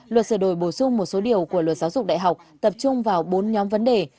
luật sửa đổi bổ sung một số điều của luật giáo dục đại học tập trung vào bốn nhóm vấn đề